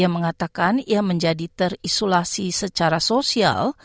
ia mengatakan ia menjadi terisolasi secara sosial